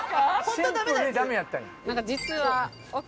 シンプルにダメやったんや。